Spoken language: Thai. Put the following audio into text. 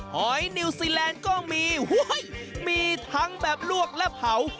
หอยนิวซีแลนด์ก็มีมีทั้งแบบลวกและเผา